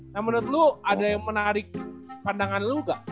nah menurut lo ada yang menarik pandangan lo gak